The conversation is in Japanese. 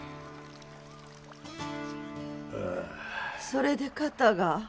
それで肩が？